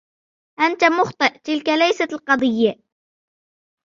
أنتَ مخطئ, تلك ليست القضية.